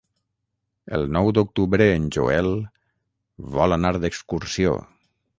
El nou d'octubre en Joel vol anar d'excursió.